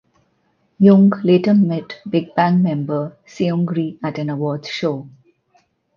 Jung later met Big Bang member Seungri at an awards show.